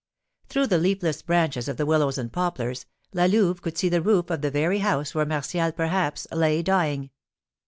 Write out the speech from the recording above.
Through the leafless branches of the willows and poplars, La Louve could see the roof of the very house where Martial perhaps lay dying.